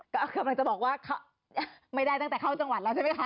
ก็กำลังจะบอกว่าไม่ได้ตั้งแต่เข้าจังหวัดแล้วใช่ไหมคะ